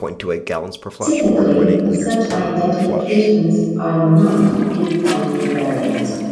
Typically, such identifications are not viewpoint-invariant.